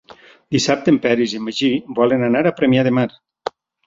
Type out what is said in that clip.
Dissabte en Peris i en Magí volen anar a Premià de Mar.